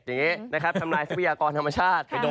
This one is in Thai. อย่างนี้นะครับทำลายทรัพยากรธรรมชาติ